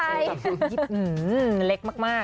อืมเล็กมากครับ